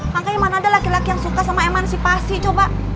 makanya mana ada laki laki yang suka sama emansipasi coba